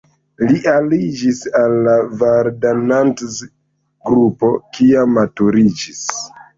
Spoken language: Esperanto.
Li aliĝis al la Vardanantz-grupo kiam maturiĝis.